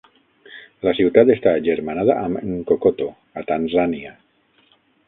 La ciutat està agermanada amb Nkokoto, a Tanzània.